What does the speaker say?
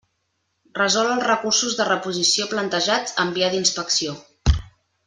Resol els recursos de reposició plantejats en via d'inspecció.